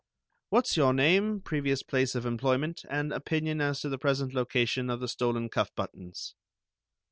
"What's your name, previous place of employment, and opinion as to the present location of the stolen cuff buttons?"